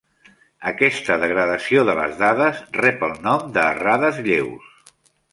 Aquesta degradació de les dades rep el nom de errades lleus.